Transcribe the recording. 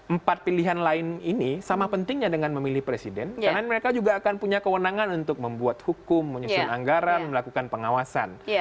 empat pilihan lain ini sama pentingnya dengan memilih presiden karena mereka juga akan punya kewenangan untuk membuat hukum menyusun anggaran melakukan pengawasan